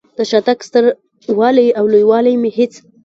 د شاتګ ستر والی او لوی والی مې هېڅ.